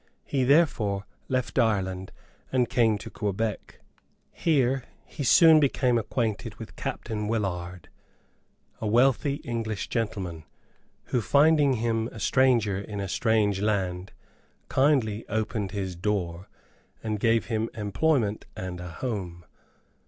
He therefore left Ireland, and came to Quebec. Here he soon became acquainted with Capt. Willard, a wealthy English gentleman, who, finding him a stranger in a strange land, kindly opened his door, and gave him employment and a home.